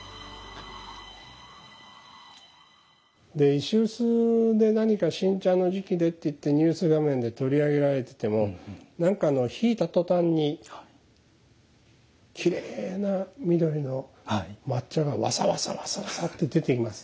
石臼で何か新茶の時期でっていってニュース画面で取り上げられてても何かあのひいた途端にきれいな緑の抹茶がわさわさわさわさって出てきますでしょ。